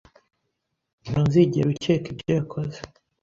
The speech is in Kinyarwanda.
Ntuzigera ukeka ibyo yakoze.